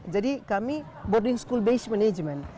jadi kami boarding school based management